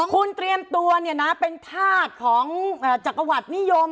คุณเตรียมตัวเนี่ยนะเป็นภาพของจักรวรรดินิยม